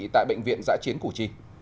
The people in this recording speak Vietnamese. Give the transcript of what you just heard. tại bệnh viện giã chiến củ chi